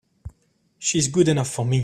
She's good enough for me!